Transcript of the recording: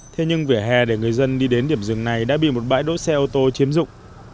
thế nhưng vỉa hè để người dân đi đến điểm rừng này đã bị một bãi đỗ xe ô tô chiếm dụng